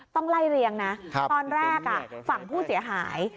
ต้องไล่เรียงนะตอนแรกฝั่งผู้เสียหาย